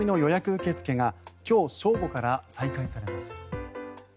受け付けが今日正午から再開されます。